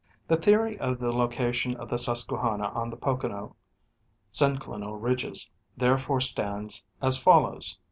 The theory of the location of the Susquehanna on the Pocono synclinal ridges therefore stands as follows.